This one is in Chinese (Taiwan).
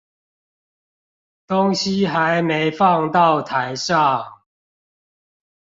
東西還沒放到台上